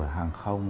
rồi hàng không